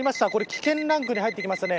危険ランクに入ってきましたね。